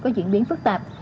có diễn biến phức tạp